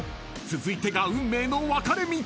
［続いてが運命の分かれ道］